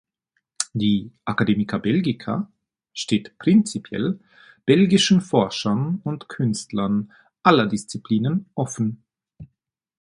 Die "Academia Belgica" steht prinzipiell belgischen Forschern und Künstlern aller Disziplinen offen.